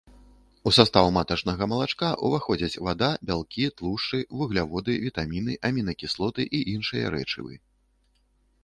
У састаў матачнага малачка ўваходзяць вада, бялкі, тлушчы, вугляводы, вітаміны, амінакіслоты і іншыя рэчывы.